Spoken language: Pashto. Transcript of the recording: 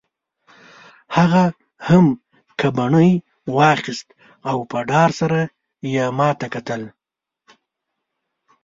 هغه هم ګبڼۍ واخیست او په ډار سره یې ما ته کتل.